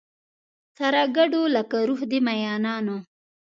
سره ګډو لکه روح د مینانو